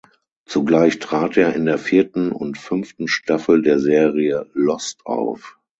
Zugleich trat er in der vierten und fünften Staffel der Serie "Lost" auf.